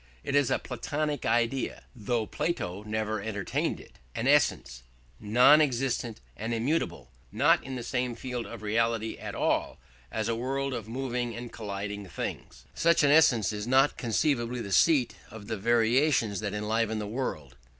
It is a Platonic idea though Plato never entertained it an essence, non existent and immutable, not in the same field of reality at all as a world of moving and colliding things. Such an essence is not conceivably the seat of the variations that enliven the world.